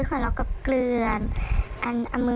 เออความรักก็เกลื่อน